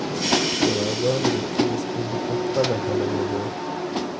شوراګانو د کلیو ستونزي په خپله حلولې.